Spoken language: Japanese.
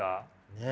ねえ。